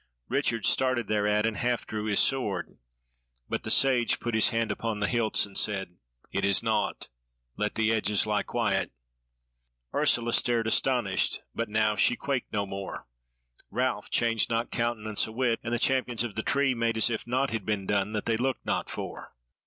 Richard started thereat and half drew his sword; but the Sage put his hand upon the hilts, and said: "It is naught, let the edges lie quiet." Ursula stared astonished, but now she quaked no more; Ralph changed not countenance a wit, and the champions of the Tree made as if naught had been done that they looked not for.